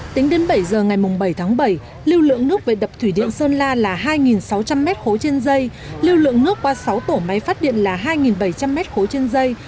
tính đến bảy giờ ngày bảy tháng bảy lưu lượng nước về đập thủy điện sơn la là hai sáu trăm linh m ba trên dây lưu lượng nước qua sáu tổ máy phát điện là hai bảy trăm linh m ba trên dây